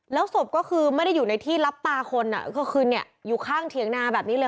แล้วศพก็คือไม่ได้อยู่ในที่รับตาคนก็คือเนี่ยอยู่ข้างเถียงนาแบบนี้เลย